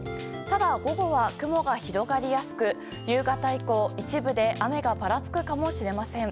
ただ、午後は雲が広がりやすく夕方以降、一部で雨がぱらつくかもしれません。